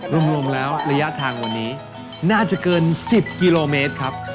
รวมแล้วระยะทางวันนี้น่าจะเกิน๑๐กิโลเมตรครับ